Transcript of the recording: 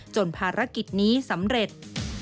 ภารกิจนี้สำเร็จ